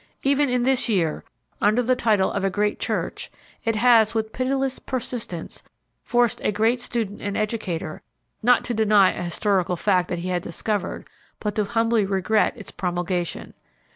Even in this year, under the title of a great church, it has, with pitiless persistence, forced a great student and educator, not to deny a historical fact that he had discovered, but to humbly regret its promulgation.